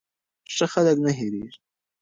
ښه خلک نه هېریږي.